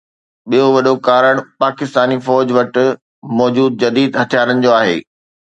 ٻيو وڏو ڪارڻ پاڪستاني فوج وٽ موجود جديد هٿيارن جو آهي.